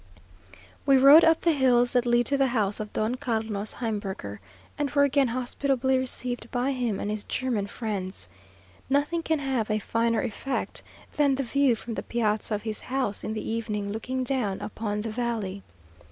We rode up the hills that lead to the house of Don Carlos Heimbürger, and were again hospitably received by him and his German friends. Nothing can have a finer effect than the view from the piazza of his house in the evening, looking down upon the valley.